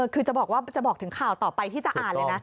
คือจะบอกถึงข่าวต่อไปที่จะอ่านเลยนะ